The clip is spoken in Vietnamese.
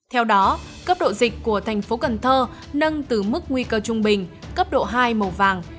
theo đó cấp độ dịch của tp cn nâng từ mức nguy cơ trung bình cấp độ hai màu vàng